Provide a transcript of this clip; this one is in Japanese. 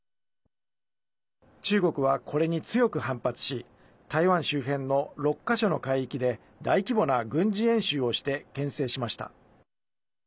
中国は、これに強く反発し台湾周辺の６か所の海域で大規模な軍事演習をしてけん制しました。